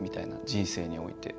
人生において。